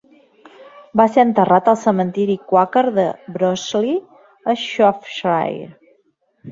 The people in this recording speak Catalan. Va ser enterrat al cementiri quàquer de Broseley, a Shropshire.